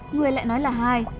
người lại nói là hai